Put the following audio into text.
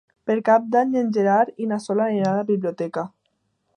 Per Cap d'Any en Gerard i na Sol aniran a la biblioteca.